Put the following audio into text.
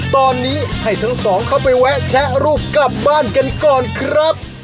ตอนนี้ให้ทั้งสองเข้าไปแวะแชะรูปกลับบ้านกันก่อนครับ